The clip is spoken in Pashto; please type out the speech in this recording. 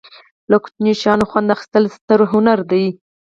له کوچنیو شیانو خوند اخستل ستر هنر دی.